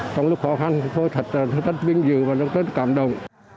trong lúc khó khăn tôi thật rất vinh dự và rất cảm động